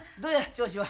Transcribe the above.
調子は。